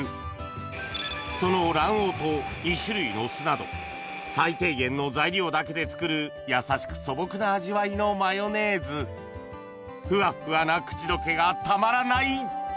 その最低限の材料だけで作るやさしく素朴な味わいのマヨネーズふわっふわな口溶けがたまらない！